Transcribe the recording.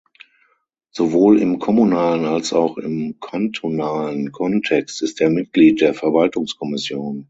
Sowohl im kommunalen als auch im kantonalen Kontext ist er Mitglied der Verwaltungskommission.